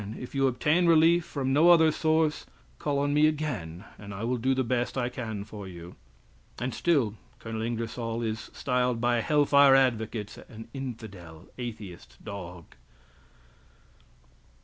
If you obtain relief from no other source, call on me again and I will do the best I can for you!" And still Col. Ingersoll is styled by hell fire advocates an infidel, atheist, dog!